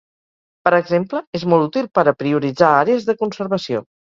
Per exemple, és molt útil per a prioritzar àrees de conservació.